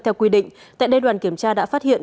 theo quy định tại đây đoàn kiểm tra đã phát hiện